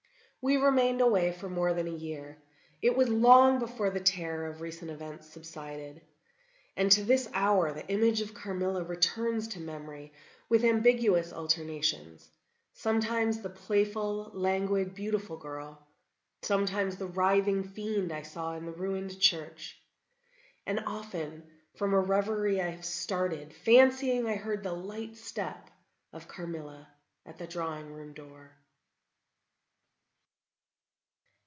We remained away for more than a year. It was long before the terror of recent events subsided; and to this hour the image of Carmilla returns to memory with ambiguous alternations—sometimes the playful, languid, beautiful girl; sometimes the writhing fiend I saw in the ruined church; and often from a reverie I have started, fancying I heard the light step of Carmilla at the drawing room door.